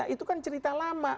itu kan cerita lama